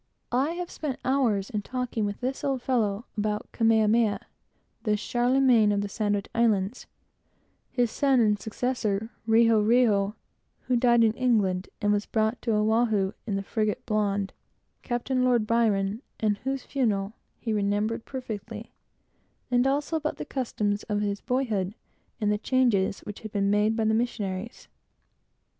I have spent hours in talking with this old fellow about Kamehameha, the Charlemagne of the Sandwich Islands; his son and successor Riho Riho, who died in England, and was brought to Oahu in the frigate Blonde, Captain Lord Byron, and whose funeral he remembered perfectly; and also about the customs of his country in his boyhood, and the changes which had been made by the missionaries.